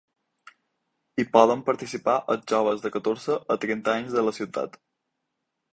Hi poden participar els joves de catorze a trenta anys de la ciutat.